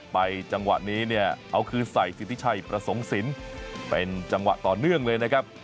จังหวะนี้เนี่ยเอาคืนใส่สิทธิชัยประสงค์สินเป็นจังหวะต่อเนื่องเลยนะครับ